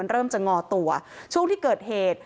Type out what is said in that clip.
เริ่มจะงอตัวช่วงที่เกิดเหตุ